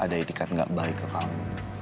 ada itikat gak baik ke kamu